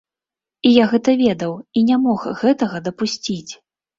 І я гэта ведаў і не мог гэтага дапусціць.